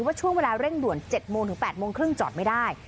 ว่าช่วงเวลาเร่งด่วน๗๘๓๐จอดไม่ได้